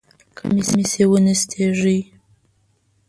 کمیس یې ونستېږی!